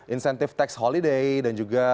insentif tax holiday dan juga